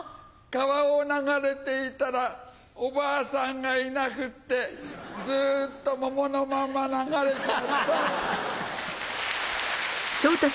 川を流れていたらおばあさんがいなくってずっと桃のまんま流れちゃった。